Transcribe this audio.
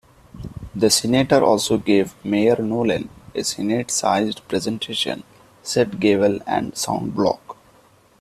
The Senator also gave Mayor Nolen a Senate-sized presentation set gavel and sound block.